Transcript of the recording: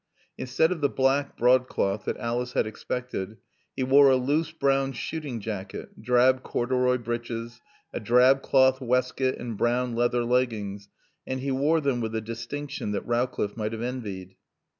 Instead of the black broadcloth that Alice had expected, he wore a loose brown shooting jacket, drab corduroy breeches, a drab cloth waistcoat and brown leather leggings, and he wore them with a distinction that Rowcliffe might have envied.